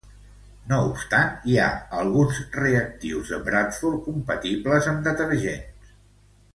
No obstant, hi ha alguns reactius de Bradford compatibles amb detergents.